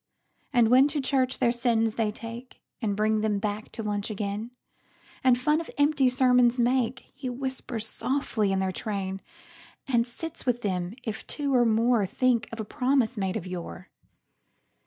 And when to church their sins they take, And bring them back to lunch again, And fun of empty sermons make, He whispers softly in their train; And sits with them if two or moreThink of a promise made of yore.